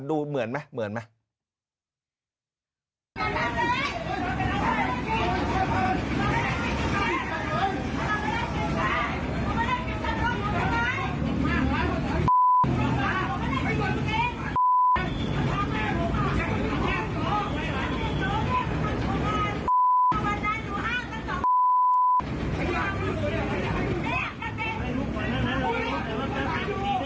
ดูเหมือนไหมเหมือนไหม